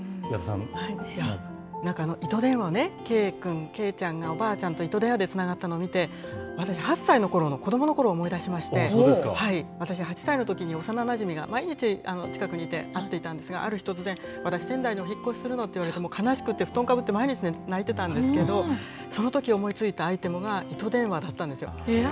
糸電話ね、ケイくん、ケイちゃんがおばあちゃんと糸電話でつながったのを見て、私、８歳のころの子どものころを思い出しまして、私８歳のときに、幼なじみが毎日、近くにいて会っていたんですが、ある日突然、私、仙台にお引越しするのって言われて、悲しくて布団かぶって毎日、泣いてたんですけど、そのとき思いついたアイテムが糸電話だったんですよ。